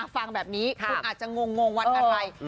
ฟังแบบนี้คุณอาจจะงงวันอะไร